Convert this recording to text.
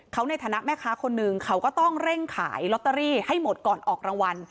เขาในฐานะแม่ค้าคนหนึ่งเขาก็ต้องเร่งขายลอตเตอรี่ให้หมดก่อนออกรางวัล